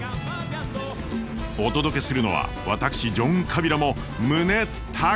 お届けするのは私ジョン・カビラも胸高鳴る